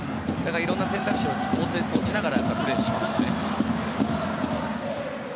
いろんな選択肢を持ちながらプレーしてますんでね。